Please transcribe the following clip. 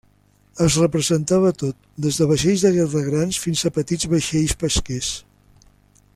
Es representava tot, des de vaixells de guerra grans fins a petits vaixells pesquers.